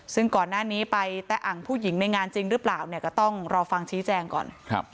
ซึ่งก่อนหน้านี้ไปแตะอังผู้หญิงในงานจริงหรือเปล่าเนี่ยก็ต้องรอฟังชี้แจงก่อน